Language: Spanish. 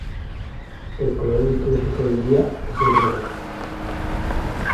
El color litúrgico del día es el rojo.